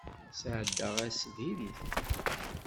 Sɛeddaɣ ass diri-t.